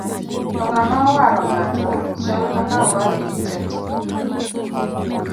to ng'ama owaro ng'ato chal kaka owaro ji te te